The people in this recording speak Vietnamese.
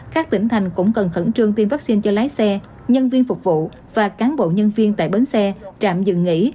các tỉnh thành cũng cần khẩn trương tiêm vaccine cho lái xe nhân viên phục vụ và cán bộ nhân viên tại bến xe trạm dừng nghỉ